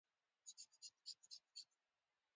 د جګړې بریالیتوب د نوي نظام جوړېدو ته لار هواره کړه.